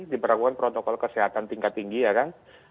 diperlakukan protokol kesehatan tingkat tinggi ya kan